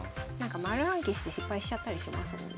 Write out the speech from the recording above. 丸暗記して失敗しちゃったりしますもんね。